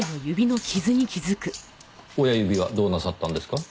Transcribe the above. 親指はどうなさったんですか？